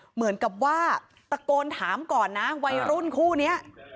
เหมือนกับว่าตะโกนถามก่อนนะวัยรุ่นคู่นี้